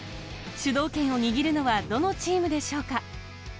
主導権を握るのはどのチームでしょうか。